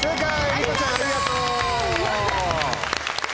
りこちゃんありがとう。